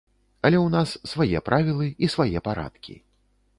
Але ў нас свае правілы і свае парадкі.